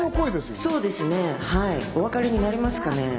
そうですね、お分かりになりますかね？